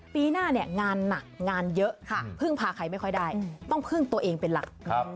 ปีหน้าเนี่ยงานหนักงานเยอะพึ่งพาใครไม่ค่อยได้ต้องพึ่งตัวเองเป็นหลัก